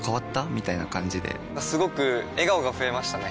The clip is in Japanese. みたいな感じですごく笑顔が増えましたね！